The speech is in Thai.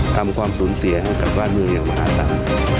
ความสูญเสียให้กับบ้านเมืองอย่างมหาศาล